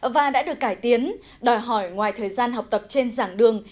và đã được cải tiến đòi hỏi ngoài thời gian học tập trên giảng đường